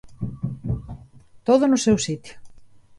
Todo no seu sitio.